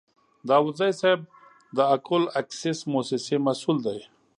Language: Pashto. داودزی صیب د اکول اکسیس موسسې مسوول دی.